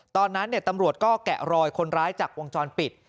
ตอนนั้นตำรวจก็แกะรอยคนร้ายจากวงจรปิด